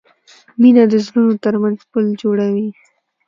مینه د زړونو ترمنځ پل جوړوي.